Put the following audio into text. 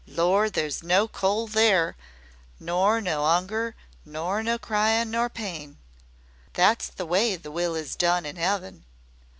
Lor', there's no cold there, nor no 'unger nor no cryin' nor pain. That's the way the will is done in 'eaven.